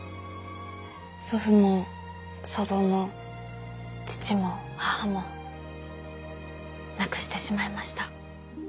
祖父も祖母も父も母も亡くしてしまいました。